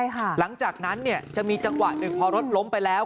หลังจากนั้นเนี่ยจะมีจังหวะหนึ่งพอรถล้มไปแล้ว